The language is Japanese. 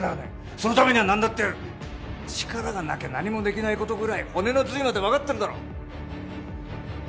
そのためには何だってやる力がなきゃ何もできないことぐらい骨の髄まで分かってるだろ